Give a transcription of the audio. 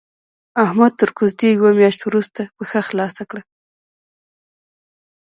احمد تر کوزدې يوه مياشت روسته پښه خلاصه کړه.